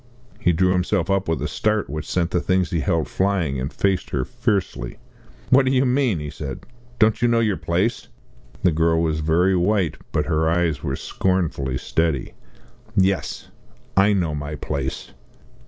He drew himself up with a start which sent the things he held flying, and faced her fiercely. "What do you mean?" he said, "don't you know your place?" The girl was very white, but her eyes were scornfully steady. "Yes I know my place!"